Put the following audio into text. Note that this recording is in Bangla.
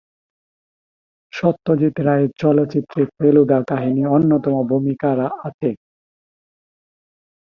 সত্যজিৎ রায়ের চলচ্চিত্রে ফেলুদা কাহিনীর অন্যতম ভূমিকা আছে।